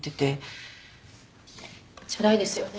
ちゃらいですよね。